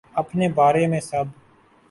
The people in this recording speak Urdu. اپنے بارے میں سب